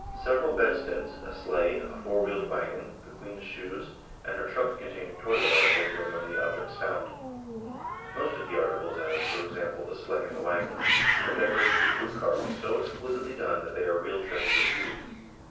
PLATE III ORIGIN AND DESCENT 35 eral bedsteads, a sleigh, a four wheeled wagon, the queen's shoes, and her trunk containing toilet articles were among the objects found. .Most of the articles, as, for example, the sleigh and the wagon, are decorated with wood carvings so exquisitely done that they are real treasures of beauty.